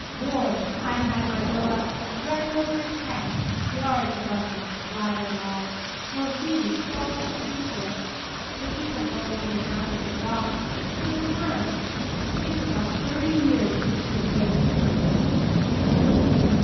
Lord! I had my bill up, right over his head, yards above him, ladder and all, while he was crawling to his work. The people going in and out of the docks, stood and laughed!—It's about thirty years since the joints come in.